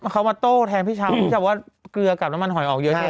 เขามาโต้แทนพี่ชาวพี่ชาวว่าเกลือกับน้ำมันหอยออกเยอะใช่ไหม